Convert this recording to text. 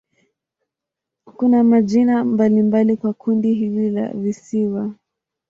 Kuna majina mbalimbali kwa kundi hili la visiwa.